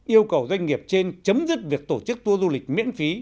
yêu cầu doanh nghiệp trên chấm dứt việc tổ chức tour du lịch miễn phí